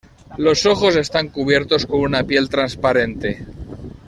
Los ojos están cubiertos con una piel transparente.